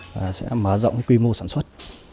và sẽ mở rộng quy mô sản xuất